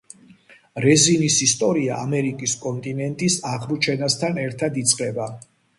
რეზინის ისტორია ამერიკის კონტინენტის აღმოჩენასთან ერთად იწყება.